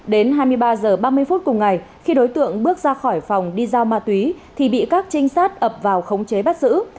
đến hai mươi ba h ba mươi phút cùng ngày khi đối tượng bước ra khỏi phòng đi giao ma túy thì bị các trinh sát ập vào khống chế bắt giữ